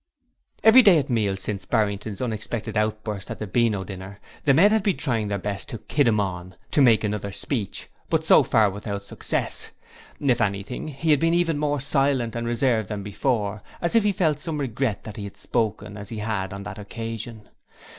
Every day at meals since Barrington's unexpected outburst at the Beano dinner, the men had been trying their best to 'kid him on' to make another speech, but so far without success. If anything, he had been even more silent and reserved than before, as if he felt some regret that he had spoken as he had on that occasion.